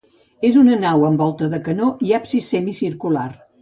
És d'una nau amb volta de canó i absis semicircular.